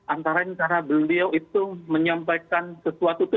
antara beliau itu menyampaikan sesuatu itu